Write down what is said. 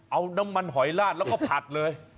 เอาน้ำมันหอยลาดแล้วก็ผัดเลย